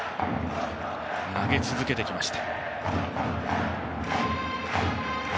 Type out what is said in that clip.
投げ続けてきました。